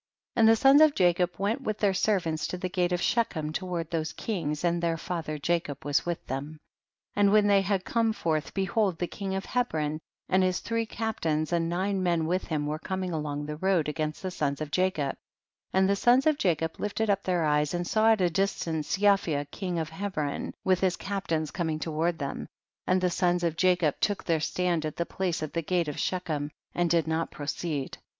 37. And the sons of Jacob went ■with their servants to the gate of She chem, toward those kings, and their father Jacob was with them. 38. And when they had come forth, behold, the king of Hebron and his three captains and nine men with him were coming along the road against the sons of Jacob, and the sons of Jacob lifted up their eyes, and saw at a distance Jophia, king of Hebron, with his captains, coming toward them, and the sons of Jacob took their stand at the place of the gate of Shechem, and did not pro ceed.